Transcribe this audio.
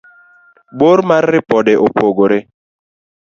bor mar ripode opogore